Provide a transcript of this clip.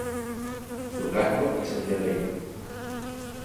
Su rango es el de Reina.